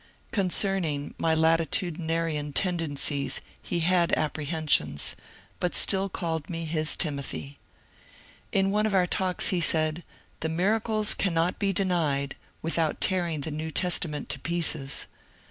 *' Concerning my latitu dinarian tendencies he had apprehensions, bat still called me his Timothy. In one of our talks he said, ^^ The miracles can not be denied without tearing the New Testament to pieces.